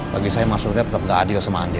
bagi saya maksudnya tetap gak adil sama andi